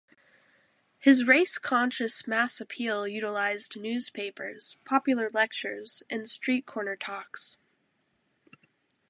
His race-conscious mass appeal utilized newspapers, popular lectures, and street-corner talks.